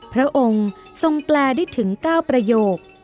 พระองค์ทรงแปลได้ถึง๙ประโยค